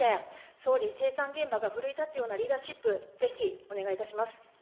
総理、生産現場が奮い立つようなリーダーシップ、ぜひお願いいたします。